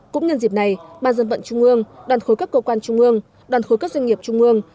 cũng nhân dịp này ban dân vận trung ương đoàn khối các cơ quan trung ương đoàn khối các doanh nghiệp trung ương